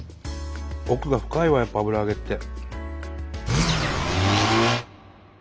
奥が深いわやっぱ油揚げって。